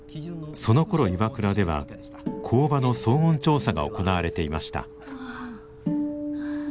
そのころＩＷＡＫＵＲＡでは工場の騒音調査が行われていました。